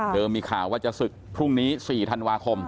มีข่าวว่าจะศึกพรุ่งนี้๔ธันวาคม